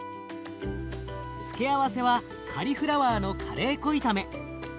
付け合わせはカリフラワーのカレー粉炒め。